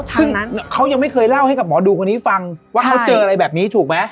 ซึ่งเขายังไม่เคยเล่าให้กับหมอดูคนนี้ฟังว่าเขาเจออะไรแบบนี้ถูกไหม